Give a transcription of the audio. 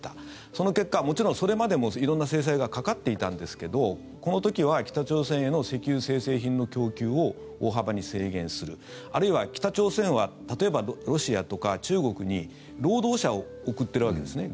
その結果もちろんそれまでも色んな制裁がかかっていたんですけどこの時は北朝鮮への石油精製品の供給を大幅に制限するあるいは北朝鮮は例えばロシアとか中国に労働者を送っているわけですね